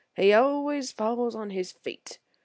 He always falls on his feet.